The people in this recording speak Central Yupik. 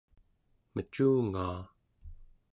mecungaa